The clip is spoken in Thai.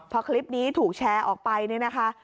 พอคลิปนี้ถูกแชร์ออกไปเนี่ยนะคะ